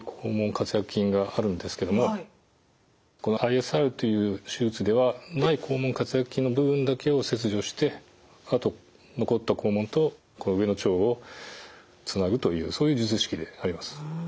括約筋があるんですけどもこのＩＳＲという手術では内肛門括約筋の部分だけを切除してあと残った肛門とこの上の腸をつなぐというそういう術式であります。